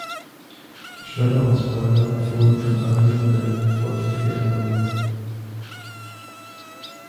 Schweller und Spoiler erfuhren an allen Modellen vorsichtige Änderungen.